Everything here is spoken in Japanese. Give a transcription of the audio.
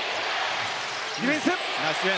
ディフェンス！